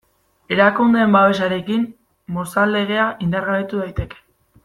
Erakundeen babesarekin Mozal Legea indargabetu daiteke.